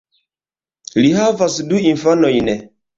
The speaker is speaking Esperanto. Li havas du infanojn.